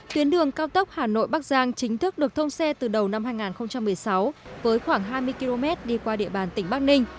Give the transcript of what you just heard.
tuyến đường cao tốc hà nội bắc giang chính thức được thông xe từ đầu năm hai nghìn một mươi sáu với khoảng hai mươi km đi qua địa bàn tỉnh bắc ninh